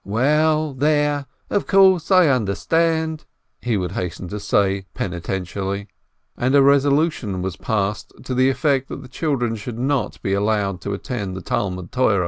"Well, there ! Of course, I understand !" he would hasten to say, penitently. And a resolution was passed, to the effect that the children should not be allowed to attend the Talmud Torah.